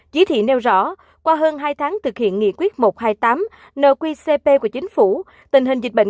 chỉ thị nêu rõ qua hơn hai tháng thực hiện nghị quyết một trăm hai mươi tám nqcp của chính phủ tình hình dịch bệnh